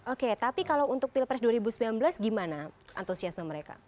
oke tapi kalau untuk pilpres dua ribu sembilan belas gimana antusiasme mereka